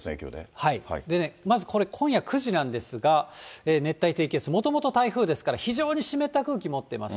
まず、これ、今夜９時なんですが、熱帯低気圧、もともと台風ですから、非常に湿った空気持ってます。